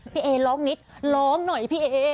เอร้องนิดร้องหน่อยพี่เอ